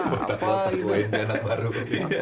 botak botak lagi anak baru